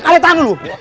kalian tahan dulu